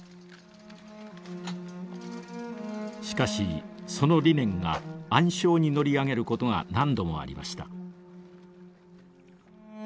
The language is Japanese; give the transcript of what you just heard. しかしその理念が暗礁に乗り上げることが何度もありました。